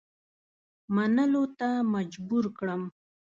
منلو ته مجبور کړم.